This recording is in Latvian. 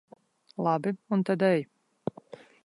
Labi, un tad ej.